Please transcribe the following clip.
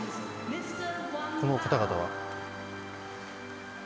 この方々は？